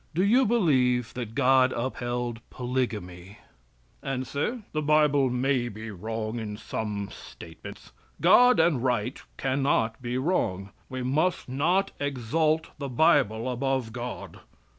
Do you believe that God upheld polygamy? A. "The Bible may be wrong in some statements. God and right can not be wrong. We must not exalt the Bible above God.